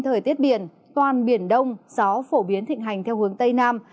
thời tiết biển toàn biển đông gió phổ biến thịnh hành theo hướng tây nam